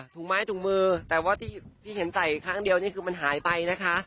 ไม้ถุงมือแต่ว่าที่เห็นใส่ครั้งเดียวนี่คือมันหายไปนะคะ